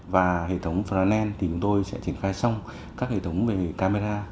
và hệ thống froneld thì chúng tôi sẽ triển khai xong các hệ thống về camera